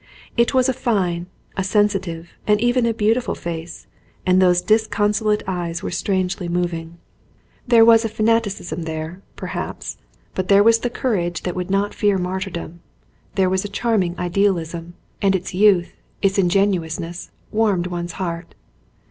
It was a fine, a sensitive, and even a beautiful face, and those disconsolate eyes were strangely moving. There was fanaticism there, perhaps, but there 82 D E. MACALISTER was the courage that would not fear martyrdom; there was a charming idealism ; and its youth, its ingenuousness, warmed one's heart.